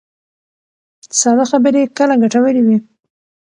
ساده خبرې کله ګټورې وي.